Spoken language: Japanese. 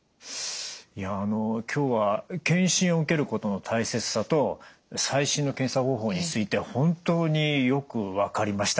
今日は検診を受けることの大切さと最新の検査方法について本当によく分かりました。